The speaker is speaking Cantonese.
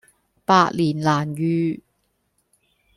百年難遇